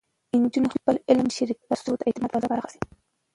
نجونې خپل علم شریک کړي، ترڅو د اعتماد فضا پراخه شي.